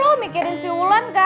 lu tuh mikir men apan sih